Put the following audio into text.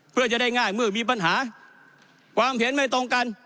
เพื่อจะได้ง่ายเมื่อมีปัญหาความเห็นไม่ตรงกัน